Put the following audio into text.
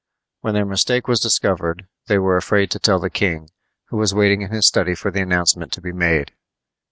When their mistake was discovered they were afraid to tell the king, who was waiting in his study for the announcement to be made.